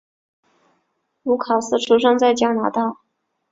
卢卡斯出生在加拿大。